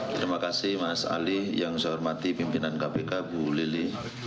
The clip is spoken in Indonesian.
terima kasih mas ali yang saya hormati pimpinan kpk bu lili